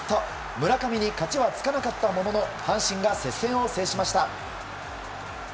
村上に勝ちは付かなかったものの阪神が接戦を制しました。